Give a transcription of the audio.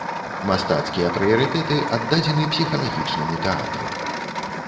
Мастацкія прыярытэты аддадзены псіхалагічнаму тэатру.